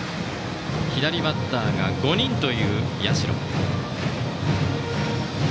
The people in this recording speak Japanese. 左バッターが５人という社。